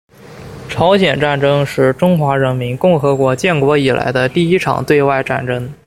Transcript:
朝鲜战争是中华人民共和国建国以来的第一场对外战争。